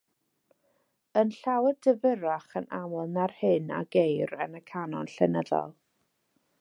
Yn llawer difyrrach yn aml na'r hyn a geir yn y canon llenyddol.